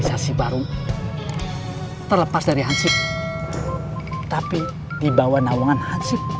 saya satu anak kuda barangaa